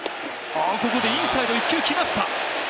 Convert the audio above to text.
ここでインサイド１球来ました。